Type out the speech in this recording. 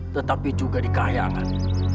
tetapi juga di kayangan